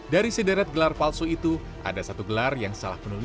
dari sederet gelar palsu itu ada satu gelar yang salah penulis